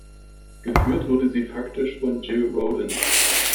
Geführt wurde sie faktisch von Gil Rodin.